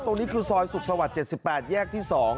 ตรงนี้คือซอยสุขสวรรค์๗๘แยกที่๒